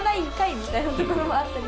みたいなところもあったり。